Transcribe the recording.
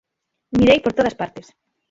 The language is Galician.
Mirei por todas partes.